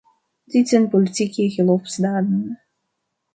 Dit zijn politieke geloofsdaden.